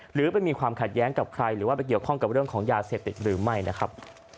หรือไปมีความขัดแย้งกับใครหรือว่าไปเกี่ยวข้องกับเรื่องของยาเสพติดหรือไม่นะครับ